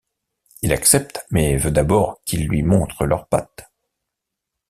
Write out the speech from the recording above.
Il accepte, mais veut d'abord qu'ils lui montrent leurs pattes.